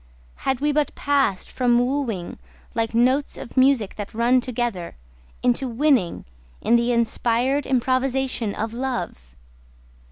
Had we but passed from wooing Like notes of music that run together, into winning, In the inspired improvisation of love!